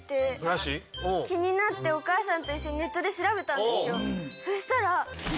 気になってお母さんと一緒にネットで調べたんですよ。